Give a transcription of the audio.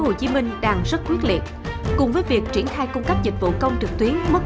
hồ chí minh đang rất quyết liệt cùng với việc triển khai cung cấp dịch vụ công trực tuyến mức